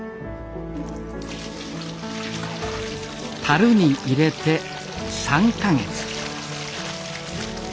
たるに入れて３か月。